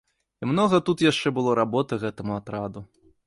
І многа тут яшчэ было работы гэтаму атраду.